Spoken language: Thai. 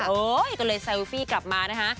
ก็เลยเซลฟี่กลับมานะคะ